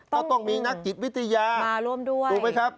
ก็ต้องมีนักจิตวิทยาตัวไปครับมาร่วมด้วย